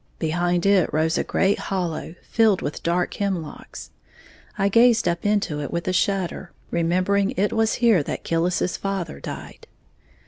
Behind it rose a great hollow, filled with dark hemlocks. I gazed up into it with a shudder, remembering it was here that Killis's father died.